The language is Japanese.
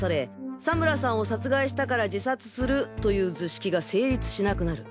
佐村さんを殺害したから自殺するという図式が成立しなくなる。